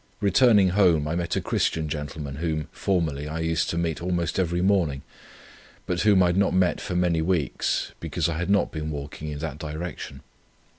Returning home I met a Christian gentleman whom formerly I used to meet almost every morning, but whom I had not met for many weeks, because I had not been walking in that direction.